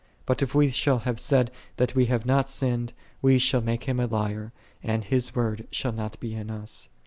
But if \ve shall have said that we have not sinned, \ve shall make Him a liar, and His word shall not be in us."